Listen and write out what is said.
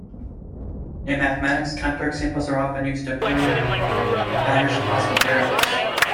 In mathematics, counterexamples are often used to prove the boundaries of possible theorems.